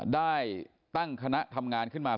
ได้ตั้งคณะทำงานขึ้นมา